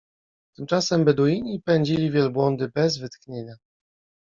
Tymczasem Beduini pędzili wielbłądy bez wytchnienia.